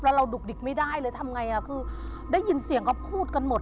แล้วเราดุกดิกไม่ได้เลยทำไงคือได้ยินเสียงก็พูดกันหมด